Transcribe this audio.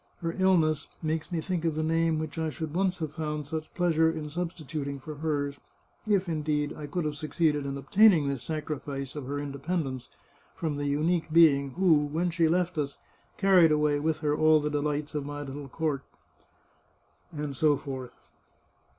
Her illness makes me think of the name which I should once have found such pleasure in substituting for hers — if, indeed, I could have succeeded in obtaining this sacrifice of her independence from the unique being who, when she left us, carried away with her all the delights of my little court," and so forth.